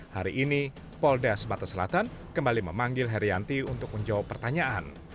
hari ini polda sumatera selatan kembali memanggil herianti untuk menjawab pertanyaan